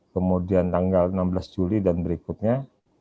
kemudian tanggal enam belas juli dan berikutnya